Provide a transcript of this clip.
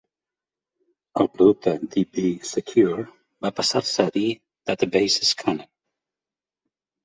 El producte DbSecure va passar-se a dir Database Scanner.